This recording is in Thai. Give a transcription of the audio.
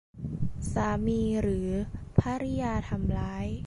สามีหรือภริยาทำร้าย